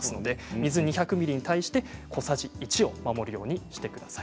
水２００ミリリットルに対して小さじ１を守るようにしてください。